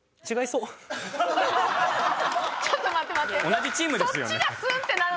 同じチームですよね？